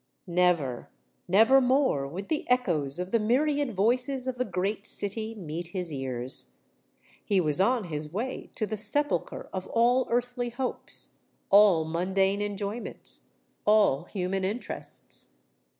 Never—never more would the echoes of the myriad voices of the great city meet his ears! He was on his way to the sepulchre of all earthly hopes—all mundane enjoyments—all human interests!